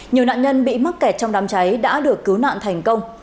nhiều nạn nhân bị mắc kẹt trong đám cháy đã được cứu nạn thành công